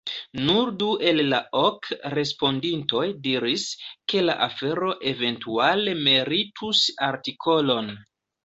Nur du el la ok respondintoj diris, ke la afero eventuale meritus artikolon.